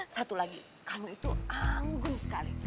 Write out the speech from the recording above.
satu lagi kalau itu anggun sekali